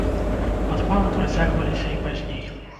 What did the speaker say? Падпалы працягваліся і пазней.